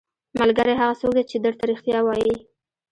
ملګری هغه څوک دی چې درته رښتیا وايي.